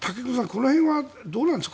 この辺はどうなんですか？